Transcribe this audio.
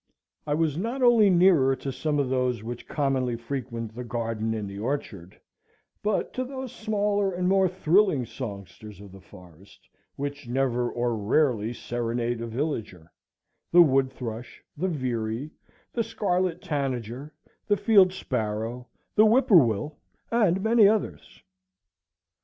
I was not only nearer to some of those which commonly frequent the garden and the orchard, but to those wilder and more thrilling songsters of the forest which never, or rarely, serenade a villager,—the wood thrush, the veery, the scarlet tanager, the field sparrow, the whippoorwill, and many others.